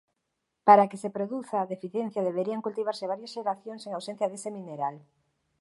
Para que se produza deficiencia deberían cultivarse varias xeracións en ausencia dese mineral.